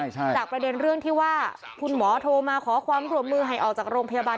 จากประเด็นเรื่องที่ว่าคุณหมอโทรมาขอความร่วมมือให้ออกจากโรงพยาบาล